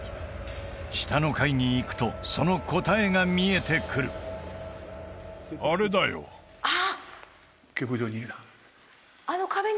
下の階に行くとその答えが見えてくるああ！